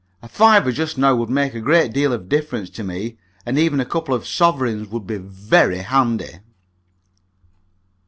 A fiver just now would make a good deal of difference to me, and even a couple of sovereigns would be very handy."